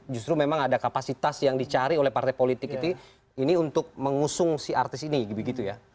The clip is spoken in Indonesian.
justru memang ada kapasitas yang dicari oleh partai politik itu ini untuk mengusung si artis ini begitu ya